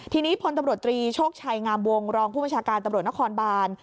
ทีนี้พลตำรวจตรีโชคชัยงามวงรองผู้บัญชาการตำรวจนครบาน